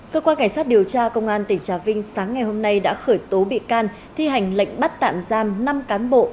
cơ quan cảnh sát điều tra công an tỉnh trà vinh sáng ngày hôm nay đã khởi tố bị can thi hành lệnh bắt tạm giam năm cán bộ